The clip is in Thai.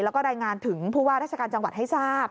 แล้วก็รายงานถึงผู้ว่าราชการจังหวัดให้ทราบ